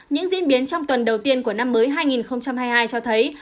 những diễn biến trong tuần đầu tiên của năm mới hai nghìn hai mươi hai cho thấy